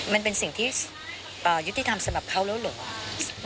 มันเป็นสิ่งที่ยุติธรรมสำหรับเขาแล้วเหรอ